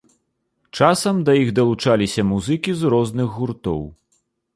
Часам да іх далучаліся музыкі з розных гуртоў.